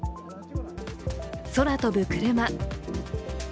空飛ぶクルマ。